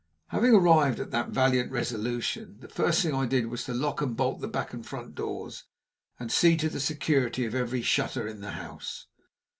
Having arrived at that valiant resolution, the first thing I did was to lock and bolt the back and front doors, and see to the security of every shutter in the house.